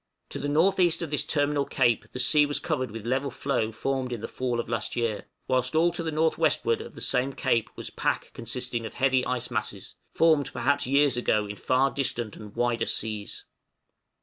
To the north east of this terminal cape the sea was covered with level floe formed in the fall of last year, whilst all to the north westward of the same cape was pack consisting of heavy ice masses, formed perhaps years ago in far distant and wider seas.